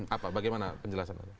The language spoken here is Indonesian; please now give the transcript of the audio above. apa bagaimana penjelasan anda